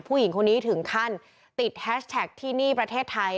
ผู้หญิงคนนี้ถึงขั้นติดแฮชแท็กที่นี่ประเทศไทย